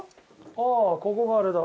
ああここがあれだ。